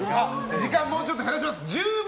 時間もうちょっと減らします。